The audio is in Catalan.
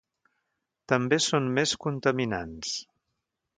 També són més contaminants.